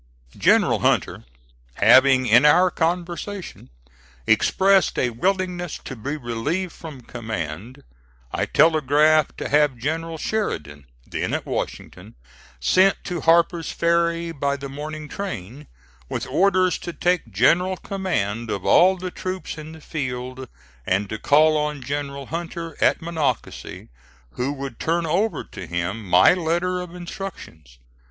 General Hunter having, in our conversation, expressed a willingness to be relieved from command, I telegraphed to have General Sheridan, then at Washington, sent to Harper's Ferry by the morning train, with orders to take general command of all the troops in the field, and to call on General Hunter at Monocacy, who would turn over to him my letter of instructions.